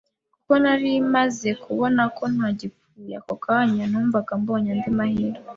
kuko nari maze kubona ko ntagipfuye, ako kanya numvaga mbonye andi mahirwe